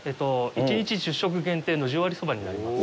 １日１０食限定の十割そばになります。